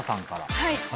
はい。